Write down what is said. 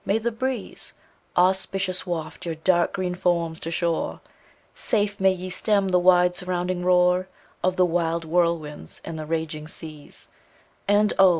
may the breeze Auspicious waft your dark green forms to shore; Safe may ye stem the wide surrounding roar Of the wild whirlwinds and the raging seas; And oh!